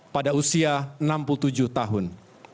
pada usia enam puluh tujuh tahun